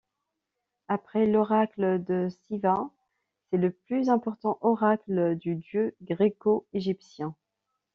Après l'oracle de Siwa, c'est le plus important oracle du dieu gréco-égyptien.